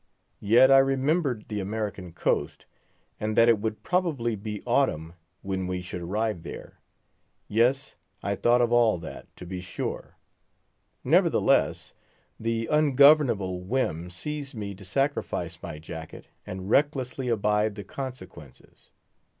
Yet I remembered the American coast, and that it would probably be Autumn when we should arrive there. Yes, I thought of all that, to be sure; nevertheless, the ungovernable whim seized me to sacrifice my jacket and recklessly abide the consequences.